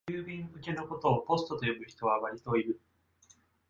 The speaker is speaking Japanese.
郵便受けのことをポストと呼ぶ人はわりといる